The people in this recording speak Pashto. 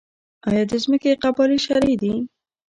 آیا د ځمکې قبالې شرعي دي؟